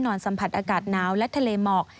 สัมผัสอากาศหนาวและทะเลหมอก